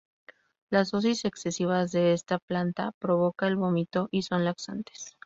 Las dosis excesivas de esta planta provoca el vómito y son laxantes.